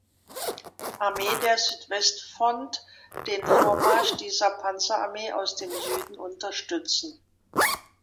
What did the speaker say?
Armee der Südwestfront den Vormarsch dieser Panzerarmee aus dem Süden unterstützen.